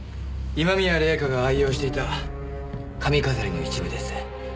今宮礼夏が愛用していた髪飾りの一部です。